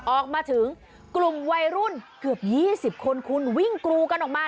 ออกมาถึงกลุ่มวัยรุ่นเกือบ๒๐คนคุณวิ่งกรูกันออกมา